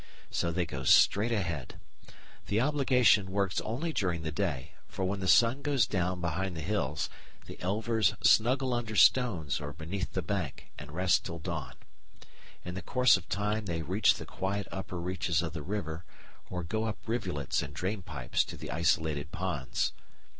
So they go straight ahead. The obligation works only during the day, for when the sun goes down behind the hills the elvers snuggle under stones or beneath the bank and rest till dawn. In the course of time they reach the quiet upper reaches of the river or go up rivulets and drainpipes to the isolated ponds.